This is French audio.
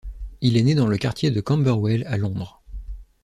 Il est né dans le quartier de Camberwell à Londres.